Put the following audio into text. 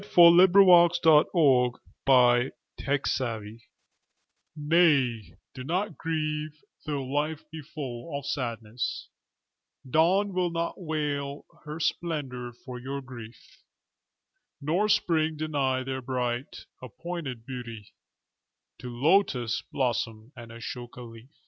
Sarojini Naidu Transcience Nay, do not grieve tho' life be full of sadness, Dawn will not veil her spleandor for your grief, Nor spring deny their bright, appointed beauty To lotus blossom and ashoka leaf.